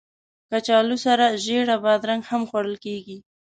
کچالو سره زېړه بادرنګ هم خوړل کېږي